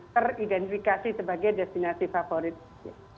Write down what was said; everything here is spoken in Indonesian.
teridentifikasi sebagai destinasi favorit